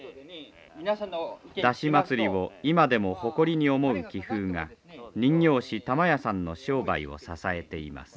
山車祭りを今でも誇りに思う気風が人形師玉屋さんの商売を支えています。